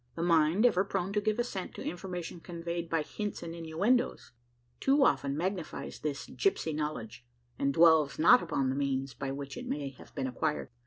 The mind, ever prone to give assent to information conveyed by hints and innuendos, too often magnifies this gipsy knowledge; and dwells not upon the means by which it may have been acquired.